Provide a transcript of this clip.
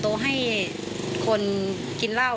โต๊ะให้คนกินเหล้า